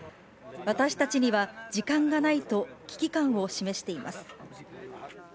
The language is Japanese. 私たちには時間がないと、危機感を示しています。